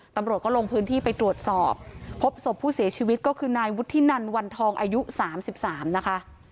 ตำรวจก็ลงพื้นที่ไปตรวจสอบพบศพผู้เสียชีวิตก็คือนายวุฒินันวันทองอายุ๓๓นะคะ